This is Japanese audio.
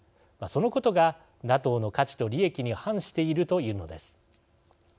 そのことがＮＡＴＯの価値と利益に反しているというのです。